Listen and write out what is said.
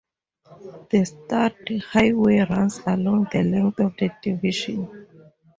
The Sturt Highway runs along the length of the division.